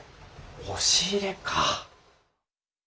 押し入れか。